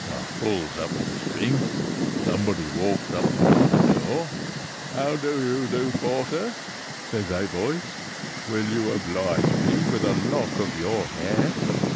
I pulls up the string, somebody walks up to my door, 'How do you do, porter?' says a voice; 'will you oblige me with a lock of your hair?'